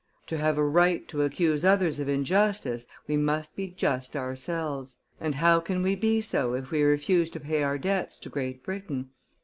To have a right to accuse others of injustice, we must be just ourselves; and how can we be so if we refuse to pay our debts to Great Britain?